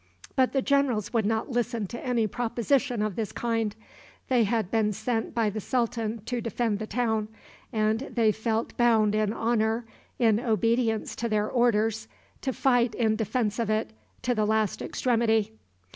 But the generals would not listen to any proposition of this kind. They had been sent by the sultan to defend the town, and they felt bound in honor, in obedience to their orders, to fight in defense of it to the last extremity.